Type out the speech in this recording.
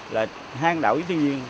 là hang đảo yến thiên nhiên